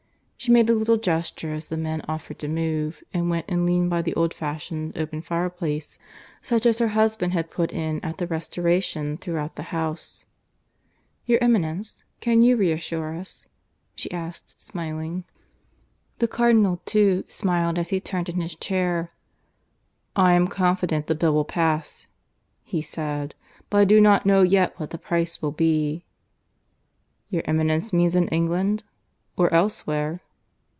She made a little gesture as the men offered to move, and went and leaned by the old fashioned open fire place, such as her husband had put in at the restoration throughout the house. "Your Eminence, can you reassure us?" she said, smiling. The Cardinal, too, smiled as he turned in his chair. "I am confident the Bill will pass," he said. "But I do not know yet what the price will be." "Your Eminence means in England? Or elsewhere?"